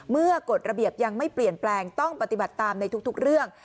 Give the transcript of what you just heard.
กฎระเบียบยังไม่เปลี่ยนแปลงต้องปฏิบัติตามในทุกเรื่อง